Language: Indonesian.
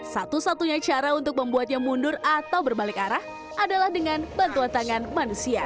satu satunya cara untuk membuatnya mundur atau berbalik arah adalah dengan bantuan tangan manusia